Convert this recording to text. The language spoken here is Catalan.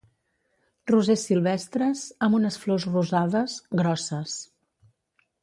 Rosers silvestres, amb unes flors rosades, grosses